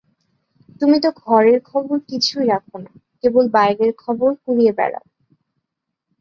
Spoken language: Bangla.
তুমি তো ঘরের খবর কিছুই রাখ না, কেবল বাইরের খবর কুড়িয়ে বেড়াও।